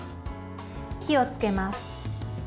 火をつけます。